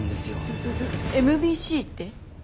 ＭＢＣって？